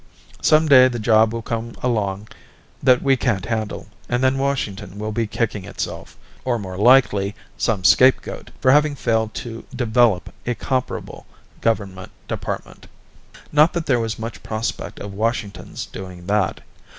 Some day the job will come along that we can't handle, and then Washington will be kicking itself or, more likely, some scapegoat for having failed to develop a comparable government department. Not that there was much prospect of Washington's doing that.